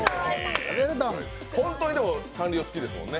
本当にサンリオ好きですもんね。